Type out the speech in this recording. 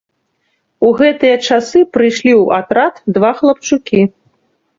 У гэтыя часы прыйшлі ў атрад два хлапчукі.